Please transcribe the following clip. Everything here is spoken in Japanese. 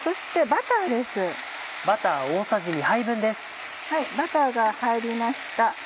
バターが入りました。